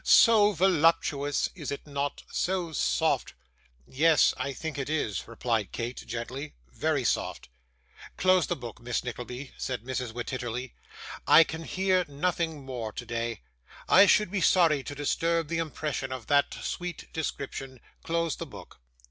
'So voluptuous, is it not so soft?' 'Yes, I think it is,' replied Kate, gently; 'very soft.' 'Close the book, Miss Nickleby,' said Mrs. Wititterly. 'I can hear nothing more today; I should be sorry to disturb the impression of that sweet description. Close the book.